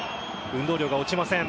運動量が落ちません。